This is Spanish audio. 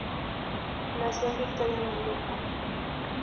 Nació en Victoria, Malleco.